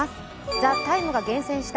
「ＴＨＥＴＩＭＥ，」が厳選した